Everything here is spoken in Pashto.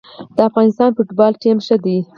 د افغانستان فوتبال ټیم ښه دی